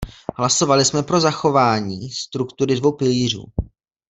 Hlasovali jsme pro zachování struktury dvou pilířů.